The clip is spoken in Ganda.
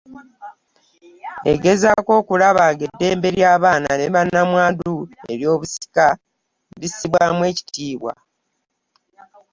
Egezaako okulaba ng'eddembe ly’abaana ne bannamwandu ery’obusika bissibwamu ekitiibwa.